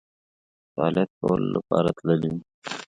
د فعالیت کولو لپاره تللي وو.